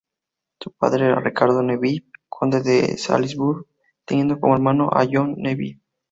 Su padre era Ricardo Neville, Conde de Salisbury, teniendo como hermano a John Neville.